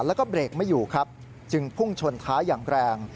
แล้วก็เบรกไม่อยู่ครับจึงพุ่งชนท้ายอย่างแรง